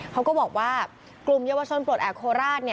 เขาก็บอกว่ากลุ่มเยาวชนปลดแอบโคราช